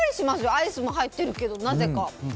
アイスも入ってるけど。